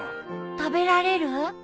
食べられる？